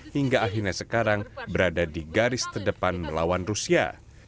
hingga akhirnya sekarang berada di garis terdepan melawan rusia